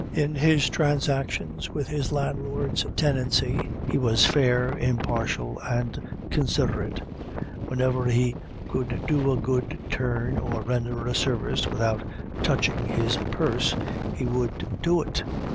In his transactions with his landlord's tenancy, he was fair, impartial, and considerate. Whenever he could do a good turn, or render a service, without touching his purse, he would do it.